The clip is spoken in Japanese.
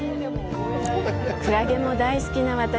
クラゲも大好きな私。